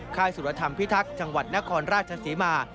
ค่ายสุรธรรมพิทักษ์จังหวัดนครราชศรีมา